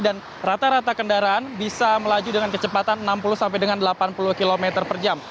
dan rata rata kendaraan bisa melaju dengan kecepatan enam puluh sampai dengan delapan puluh kilometer per jam